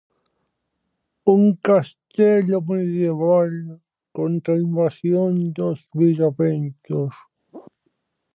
Un castelo medieval contra a invasión dos viraventos.